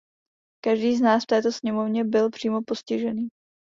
Každý z nás v této sněmovně byl přímo postižený.